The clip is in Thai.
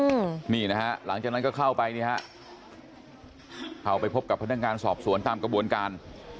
อืมนี่นะฮะหลังจากนั้นก็เข้าไปนี่ฮะเข้าไปพบกับพนักงานสอบสวนตามกระบวนการ